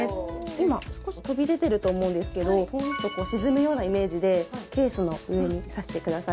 今少し飛び出てると思うんですけどポンと沈むようなイメージでケースの上に挿してください